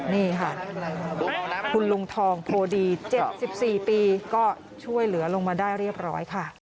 นี่ค่ะคุณลุงทองโพดี๗๔ปีก็ช่วยเหลือลงมาได้เรียบร้อยค่ะ